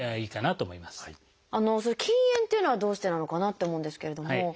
「禁煙」っていうのはどうしてなのかなと思うんですけれども。